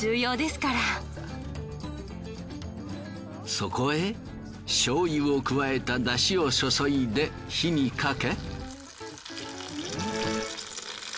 そこへ醤油を加えた出汁を注いで火にかけ。